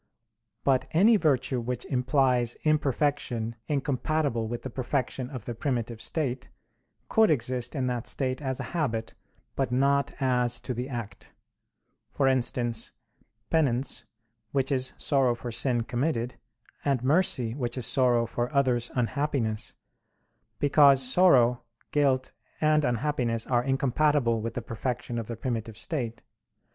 But any virtue which implies imperfection incompatible with the perfection of the primitive state, could exist in that state as a habit, but not as to the act; for instance, penance, which is sorrow for sin committed; and mercy, which is sorrow for others' unhappiness; because sorrow, guilt, and unhappiness are incompatible with the perfection of the primitive state.